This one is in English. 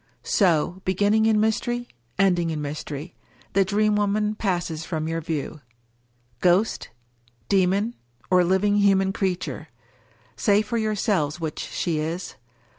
So — beginning in mystery, ending in mystery — the Dream Woman passes from your view. Ghost; demon; or living human creature — ^say for yourselves which she is.